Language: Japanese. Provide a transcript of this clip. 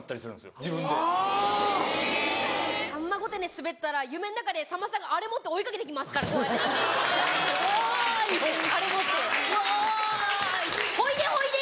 『さんま御殿‼』でスベったら夢の中でさんまさんがあれ持って追いかけてきますからこうやって「おい！」って。あれ持って「おい！ほいでほいで⁉」。